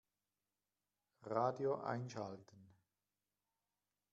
Radio einschalten.